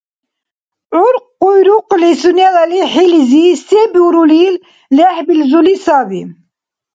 ГӀур къуйрукъли сунела лихӀилизи се бурулил лехӀбилзули саби.